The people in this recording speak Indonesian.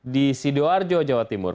di sidoarjo jawa timur